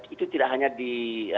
itu tidak hanya di